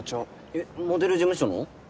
えっモデル事務所の？